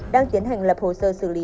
đang tiến hành lập hồ sơ xử lý